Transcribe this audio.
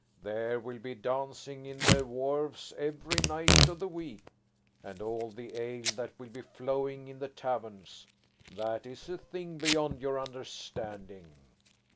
There will be dancing in the wharves every night of the week. And all the ale that will be flowing in the taverns! That is a thing beyond your understanding."